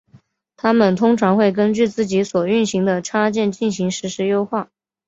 它们通常会根据自己所运行的插件进行实时优化。